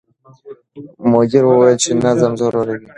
مدیر وویل چې نظم ضروري دی.